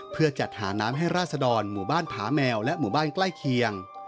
เพื่อจัดหาน้ำให้ราศดรหมู่บ้านผาแมวและหมู่บ้านใกล้เคียง